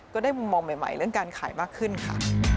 ก็ได้มุมมองใหม่เรื่องการขายมากขึ้นค่ะ